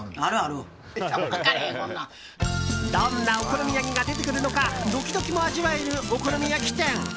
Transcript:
どんなお好み焼きが出てくるのかドキドキも味わえるお好み焼き店。